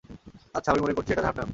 আচ্ছা, আমি মনে করছি এটা জাহান্নাম।